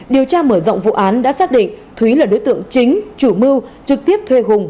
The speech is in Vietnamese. điều tra mở rộng vụ án đã xác định thúy là đối tượng chính chủ mưu trực tiếp thuê hùng